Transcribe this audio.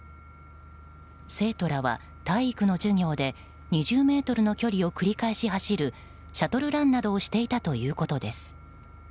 生徒らは、体育の授業で２０ｍの距離を繰り返し走るシャトルランなどをしていたということです。